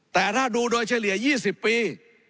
แต่ถ้าดูโดยเฉลี่ย๒๐ปี